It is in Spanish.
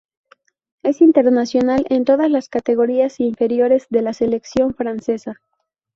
Es internacional en todas las categorías inferiores de la selección francesa.